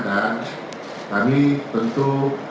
dan kami tentu